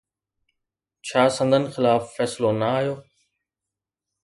ڇا سندن خلاف فيصلو نه آيو؟